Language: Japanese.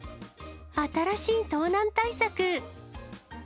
新しい盗難対策。